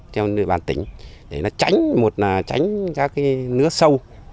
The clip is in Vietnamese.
theo nội bàn tỉnh để nó tránh một là tránh các cái nước sâu